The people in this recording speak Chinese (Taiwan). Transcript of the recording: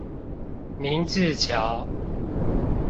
明治橋